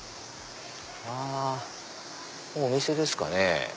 あっここお店ですかね。